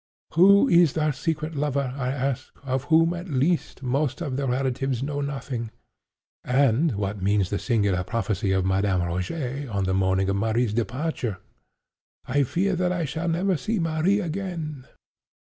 Who is that secret lover, I ask, of whom, at least, most of the relatives know nothing? And what means the singular prophecy of Madame Rogêt on the morning of Marie's departure?—'I fear that I shall never see Marie again.